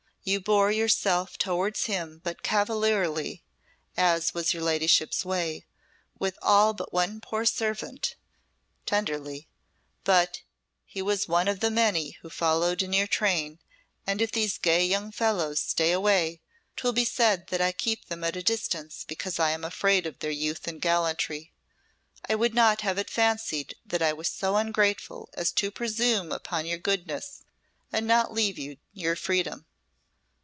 "You bore yourself towards him but cavalierly, as was your ladyship's way with all but one poor servant," tenderly; "but he was one of the many who followed in your train, and if these gay young fellows stay away, 'twill be said that I keep them at a distance because I am afraid of their youth and gallantry. I would not have it fancied that I was so ungrateful as to presume upon your goodness and not leave to you your freedom."